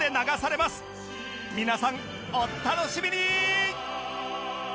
皆さんお楽しみに！